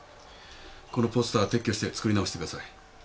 このポスターは撤去して作り直してください。